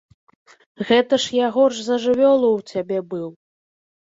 Гэта ж я горш за жывёлу ў цябе быў.